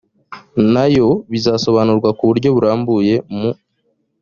nayo bizasobanurwa ku buryo burambuye mu